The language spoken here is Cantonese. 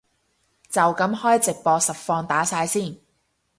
就噉開直播實況打晒先